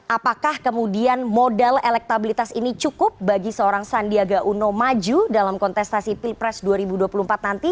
apakah kemudian modal elektabilitas ini cukup bagi seorang sandiaga uno maju dalam kontestasi pilpres dua ribu dua puluh empat nanti